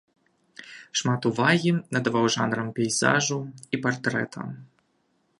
Шмат увагі надаваў жанрах пейзажу і партрэта.